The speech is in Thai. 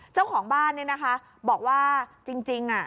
เจ้าของบ้านเนี่ยนะคะบอกว่าจริงอ่ะ